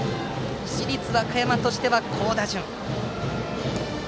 市立和歌山としては好打順。